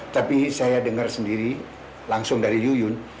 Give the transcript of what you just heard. tapi saya dengar sendiri langsung dari yuyun